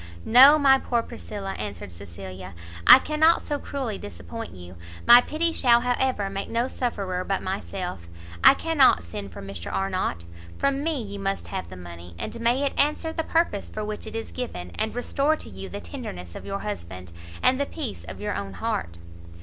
"No, my poor Priscilla," answered Cecilia, "I cannot so cruelly disappoint you; my pity shall however make no sufferer but myself, I cannot send for Mr Arnott, from me you must have the money, and may it answer the purpose for which it is given, and restore to you the tenderness of your husband, and the peace of your own heart!"